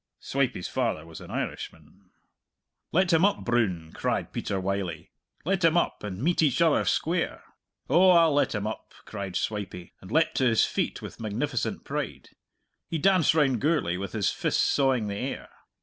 Swipey's father was an Irishman. "Let him up, Broon!" cried Peter Wylie "let him up, and meet each other square!" "Oh, I'll let him up," cried Swipey, and leapt to his feet with magnificent pride. He danced round Gourlay with his fists sawing the air.